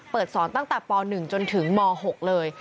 สอนตั้งแต่ป๑จนถึงม๖เลย